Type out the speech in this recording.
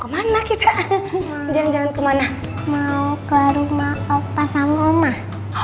kemana kita jalan jalan kemana mau ke rumah opah sama omah